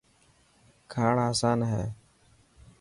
کاڻ آسان هي.